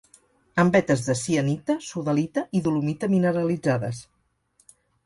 En vetes de sienita, sodalita i dolomita mineralitzades.